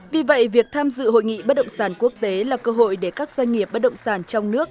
vì vậy việc tham dự hội nghị bất động sản quốc tế là cơ hội để các doanh nghiệp bất động sản trong nước